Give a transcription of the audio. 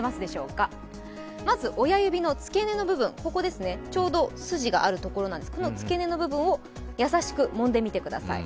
まず、親指の付け根の部分、ちょうど筋があるところを優しくもんでみてください。